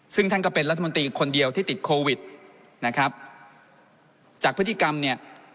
ซึ่งท่านก็เป็นรัฐมนตรีคนเดียวที่ติดโควิดนะครับจากพฤติกรรมเนี่ย